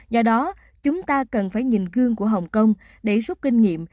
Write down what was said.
do đó chúng ta cần phải nhìn gương của hồng kông để rút kinh nghiệm